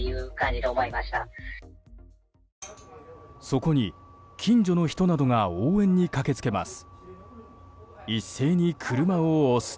そこに、近所の人などが応援に駆け付けます。